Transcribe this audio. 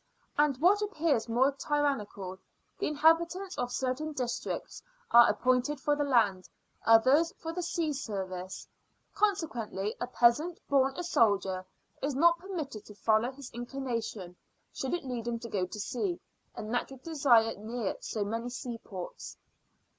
And, what appears more tyrannical, the inhabitants of certain districts are appointed for the land, others for the sea service. Consequently, a peasant, born a soldier, is not permitted to follow his inclination should it lead him to go to sea, a natural desire near so many seaports.